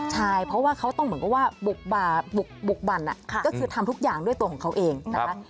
ใช่เพราะว่าเขาต้องเหมือนกับว่าบุกบั่นก็คือทำทุกอย่างด้วยตัวของเขาเองนะคะ